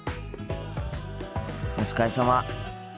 お疲れさま。